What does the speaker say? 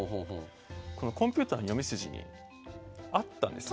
このコンピューターの読み筋にあったんですよね。